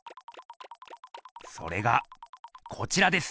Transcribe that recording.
それがこちらです！